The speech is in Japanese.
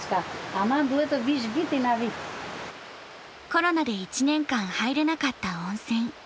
コロナで１年間入れなかった温泉。